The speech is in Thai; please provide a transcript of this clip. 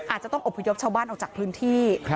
อาจจะต้องอบพยพชาวบ้านออกจากพื้นที่